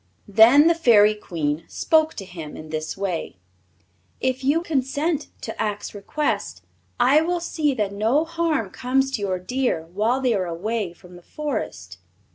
Then the Fairy Queen spoke to him in this way: "If you consent to Ak's request I will see that no harm comes to your deer while they are away from the Forest."